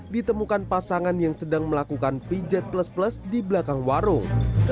ditemukan pasangan yang sedang melakukan pijat plus plus di belakang warung